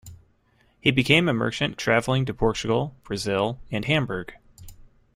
He became a merchant travelling to Portugal, Brazil and Hamburg.